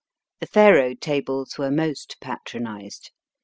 The faro tables were most patronized.